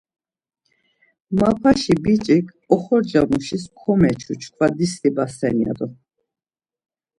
Mapaşi biç̌ik oxorca muşis komeçu çkva dislibasen ya do.